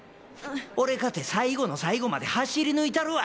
俺かて最後の最後まで走りぬいたるわ！